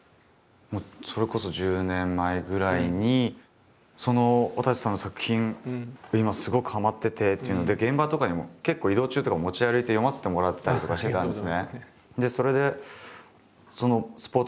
もうそれこそ１０年前ぐらいに「わたせさんの作品今すごくはまってて」っていうので現場とかにも結構移動中とか持ち歩いて読ませてもらったりとかしてたんですね。